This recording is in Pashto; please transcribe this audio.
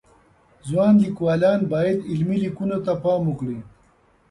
ځوان لیکوالان باید علمی لیکنو ته پام وکړي